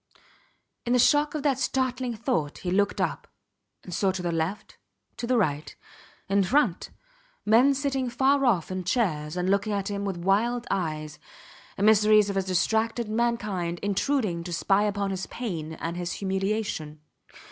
In the shock of that startling thought he looked up, and saw to the left, to the right, in front, men sitting far off in chairs and looking at him with wild eyes emissaries of a distracted mankind intruding to spy upon his pain and his humiliation.